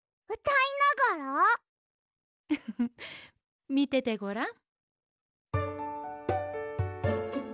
フフフッみててごらん。